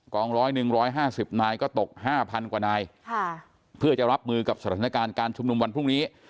กองร้อย๑๕๐นายก็ตก๕๐๐๐กว่านายเพื่อจะรับมือกับสถานการณ์การชุมนุมวันพรุ่งนี้